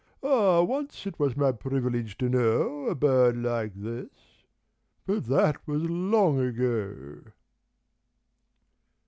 Ah, once it was my privilege to know A bird like this ... But that was long ago